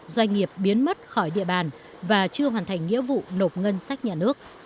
doanh nghiệp biến mất khỏi địa bàn và chưa hoàn thành nghĩa vụ nộp ngân sách nhà nước